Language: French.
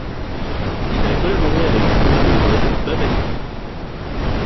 Il a collaboré avec la maison de mode Babani.